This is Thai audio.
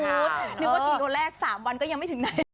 นึกว่ากิโลแรก๓วันก็ยังไม่ถึงได้